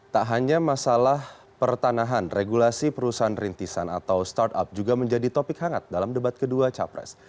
tak hanya masalah pertanahan regulasi perusahaan rintisan atau startup juga menjadi topik hangat dalam debat kedua capres